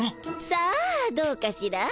さあどうかしら？